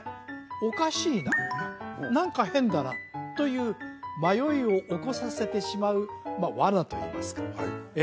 おかしいな何か変だなという迷いを起こさせてしまうワナといいますかええ